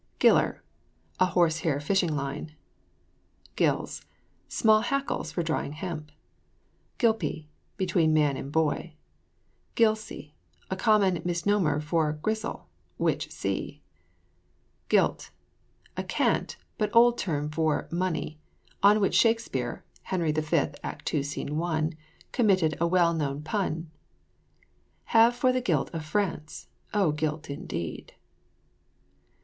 GILLER. A horse hair fishing line. GILLS. Small hackles for drying hemp. GILPY. Between a man and boy. GILSE. A common misnomer of grilse (which see). GILT. A cant, but old term for money, on which Shakspeare (Henry V. act ii. scene 1) committed a well known pun "Have for the gilt of France (O guilt indeed!)"